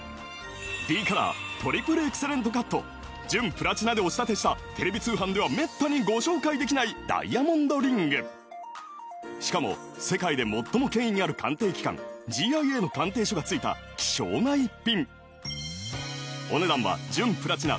Ｄカラートリプルエクセレントカット純プラチナでお仕立てしたテレビ通販ではめったにご紹介できないダイヤモンドリングしかも世界で最も権威ある鑑定機関ＧＩＡの鑑定書が付いた希少な逸品